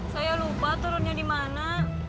saya lupa turunnya dimana